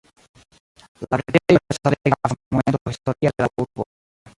La preĝejo estas la plej grava Monumento historia de la urbo.